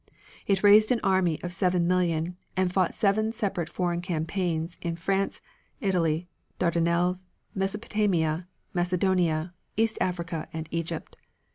It raised an army of 7,000,000, and fought seven separate foreign campaigns, in France, Italy, Dardanelles, Mesopotamia, Macedonia, East Africa and Egypt.